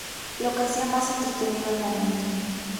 Lo que hacia más entretenido el momento.